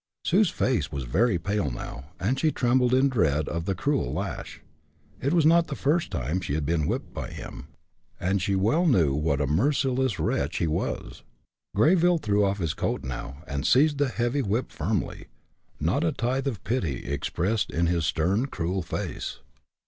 Sue's face was very pale now, and she trembled in dread of the cruel lash. It was not the first time she had been whipped by him, and she well knew what a merciless wretch he was. Greyville threw off his coat now, and seized the heavy whip firmly, not a tithe of pity expressed in his stern, cruel face.